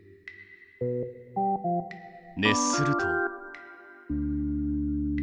熱すると。